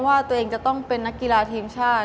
ว่าตัวเองจะต้องเป็นนักกีฬาทีมชาติ